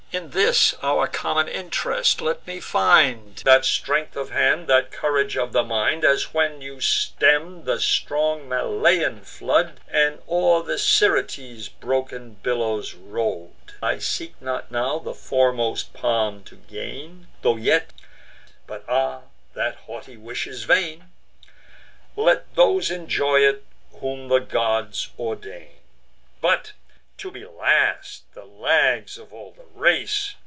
In this, our common int'rest, let me find That strength of hand, that courage of the mind, As when you stemm'd the strong Malean flood, And o'er the Syrtes' broken billows row'd. I seek not now the foremost palm to gain; Tho' yet——But, ah! that haughty wish is vain! Let those enjoy it whom the gods ordain. But to be last, the lags of all the race!